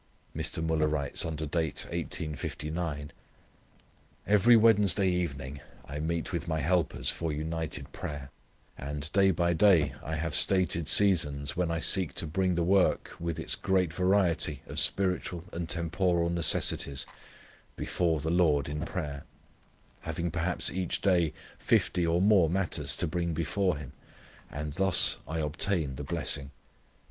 Mr. Müller writes under date, 1859: "Every Wednesday evening I meet with my helpers for united prayer; and day by day I have stated seasons, when I seek to bring the work with its great variety of spiritual and temporal necessities, before the Lord in prayer, having perhaps each day 50 or more matters to bring before Him, and thus I obtain the blessing.